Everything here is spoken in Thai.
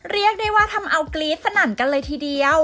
เรียกได้ว่าทำเอากรี๊ดสนั่นกันเลยทีเดียว